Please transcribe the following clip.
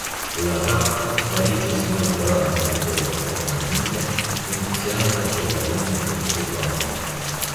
La Ĵabĥa fariĝis malgranda ribela organizo funkcianta ĉe la limo kun Sudano.